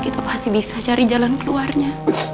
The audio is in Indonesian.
kita pasti bisa cari jalan keluarnya